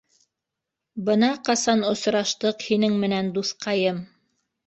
Бына ҡасан осраштыҡ һинең менән, дуҫҡайым!